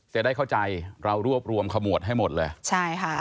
เศร้าได้เข้าใจเรารวบรวมขมวดให้หมดเลย